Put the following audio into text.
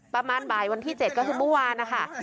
ประมาณบ่ายวันที่๗ก็คือเมื่อวานนะคะ